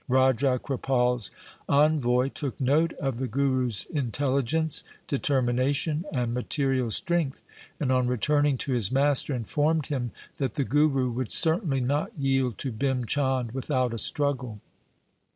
Raja Kripal's envoy took note of the Guru's intelligence, determination, and material strength, and on returning to his master informed him that the Guru would certainly not yield to Bhim Chand without a struggle.